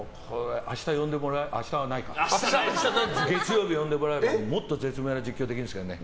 月曜日呼んでもらえればもっと絶妙な実況できるんですけどね。